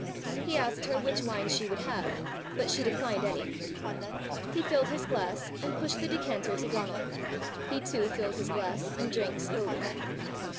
He asked her which wine she would have, but she declined any. He filled his glass, and pushed the decanter to Donal. He too filled his glass, and drank slowly.